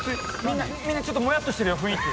みんなもやっとしてるよ雰囲気。